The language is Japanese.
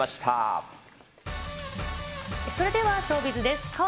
それではショービズです。